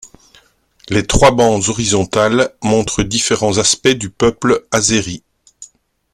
Les trois bandes horizontales montrent différents aspects du peuple azéri.